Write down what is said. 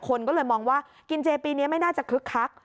คนก็เลยมองว่ากินเจปีนี้ไม่น่าจะคึกคัก